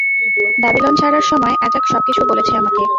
Babylon ছাড়ার সময় অ্যাজাক সবকিছু বলেছে আমাকে।